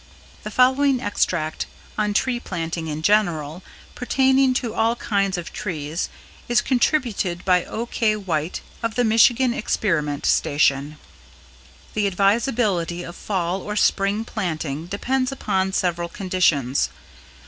=] The following extract on tree planting in general, pertaining to all kinds of trees, is contributed by O.K. White of the Michigan Experiment Station: "The advisability of Fall or Spring planting depends upon several conditions.